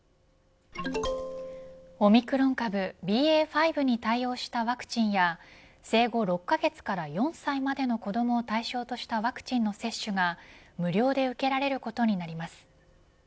オミクロン株ＢＡ．５に対応したワクチンや生後６カ月から４歳までの子どもを対象としたワクチンの接種が無料で受けられることになります。